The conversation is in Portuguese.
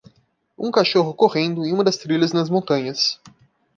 Um cachorro correndo em uma trilha nas montanhas